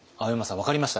分かりました？